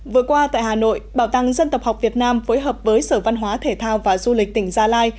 vừa qua tại hà nội bảo tàng dân tộc học việt nam phối hợp với sở văn hóa thể thao và du lịch tỉnh gia lai